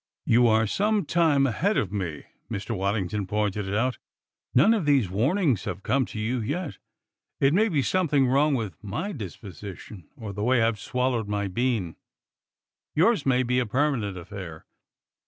"You are some time ahead of me," Mr. Waddington pointed out. "None of these warnings have come to you yet. It may be something wrong with my disposition, or the way I have swallowed my bean. Yours may be a permanent affair."